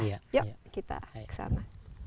yuk kita ke sana